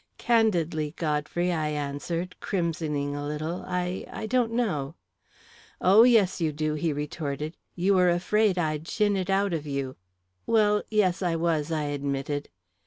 "Candidly, Godfrey," I answered, crimsoning a little, "I I don't know." "Oh, yes, you do!" he retorted. "You were afraid I'd chin it out of you." "Well, yes, I was," I admitted.